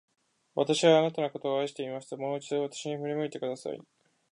私はあなたのことを愛していました。もう一度、私に振り向いてください。